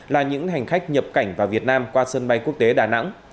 là những hành khách nhập cảnh vào việt nam qua sân bay quốc tế đà nẵng